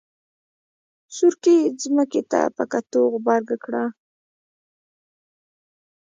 سورکي ځمکې ته په کتو غبرګه کړه.